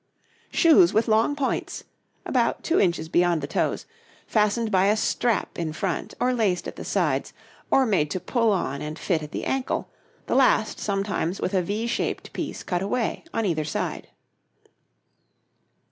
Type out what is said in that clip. Shoes with long points about 2 inches beyond the toes fastened by a strap in front, or laced at the sides, or made to pull on and fit at the ankle, the last sometimes with a V shaped piece cut away on either side.